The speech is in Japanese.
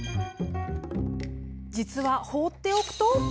実は、放っておくと。